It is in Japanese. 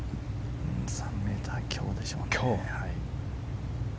３ｍ強でしょうね。